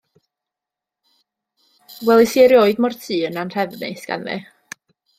Welais i erioed mo'r tŷ yn anhrefnus ganddi.